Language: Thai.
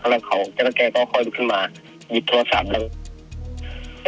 แล้วแกก็ค่อยดูขึ้นมาหยุดโทรศัพท์